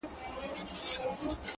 هغه خو دا گراني كيسې نه كوي _